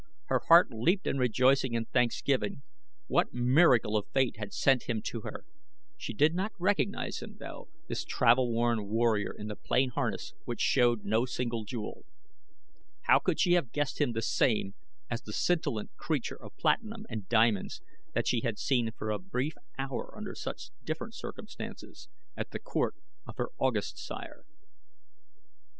Her heart leaped in rejoicing and thanksgiving. What miracle of fate had sent him to her? She did not recognize him, though, this travel worn warrior in the plain harness which showed no single jewel. How could she have guessed him the same as the scintillant creature of platinum and diamonds that she had seen for a brief hour under such different circumstances at the court of her august sire?